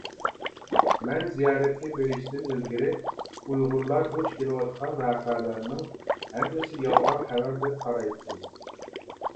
مەن زىيارەتكە بېرىشتىن ئىلگىرى ئۇيغۇرلار دۇچ كېلىۋاتقان ۋەقەلەرنىڭ ھەممىسى يالغان خەۋەر دەپ قارايتتىم.